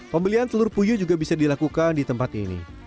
pembelian telur puyuh juga bisa dilakukan di tempat ini